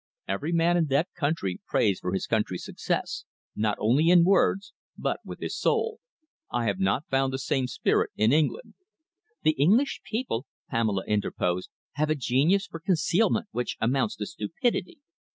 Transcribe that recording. Every man in that country prays for his country's success, not only in words, but with his soul. I have not found the same spirit in England." "The English people," Pamela interposed, "have a genius for concealment which amounts to stupidity."